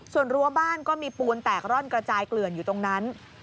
ส่วนรั้วบ้านก็มีปูนแตกร่อนกระจายเกลื่อนอยู่ตรงนั้น